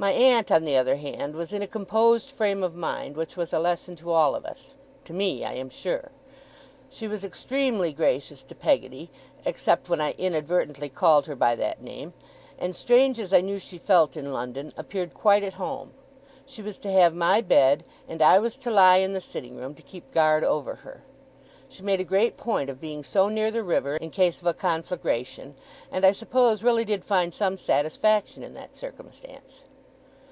My aunt, on the other hand, was in a composed frame of mind, which was a lesson to all of us to me, I am sure. She was extremely gracious to Peggotty, except when I inadvertently called her by that name; and, strange as I knew she felt in London, appeared quite at home. She was to have my bed, and I was to lie in the sitting room, to keep guard over her. She made a great point of being so near the river, in case of a conflagration; and I suppose really did find some satisfaction in that circumstance.